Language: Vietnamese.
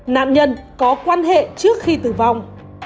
nạn nhân có quan hệ trước khi tử vong